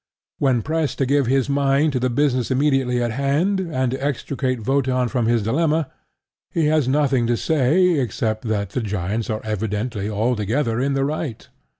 When pressed to give his mind to the business immediately in hand, and to extricate Wotan from his dilemma, he has nothing to say except that the giants are evidently altogether in the right.